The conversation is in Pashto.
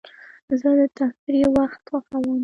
زه د تفریح وخت خوښوم.